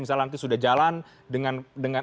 misalnya nanti sudah jalan dengan